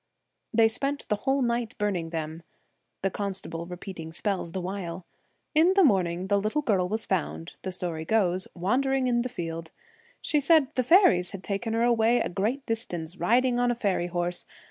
They spent the whole night burning them, the constable repeating spells the while. In the morning the little girl was found, the story goes, wandering in the field. She said the faeries had taken her away a great distance, riding on a faery horse.